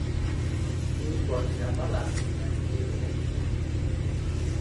Eu posso dar palavras para ser honesto.